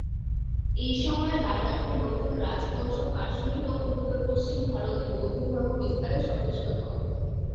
এই সময়ে লাদাখের নতুন রাজবংশ কাশ্মীর ও উত্তর পশ্চিম ভারতে বৌদ্ধ ধর্ম বিস্তারে সচেষ্ট হন।